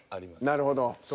なるほど。